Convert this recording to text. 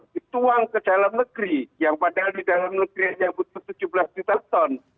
dituang ke dalam negeri yang padahal di dalam negeri hanya butuh tujuh belas juta ton